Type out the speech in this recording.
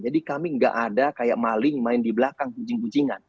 jadi kami nggak ada kayak maling main di belakang kucing kucingan